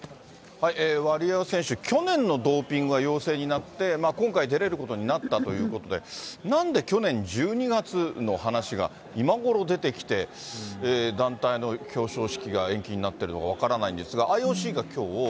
ワリエワ選手、去年のドーピングが陽性になって、今回、出れることになったということで、なんで去年１２月の話が今ごろ出てきて、団体の表彰式が延期になってるのか分からないんですが、ＩＯＣがきょう。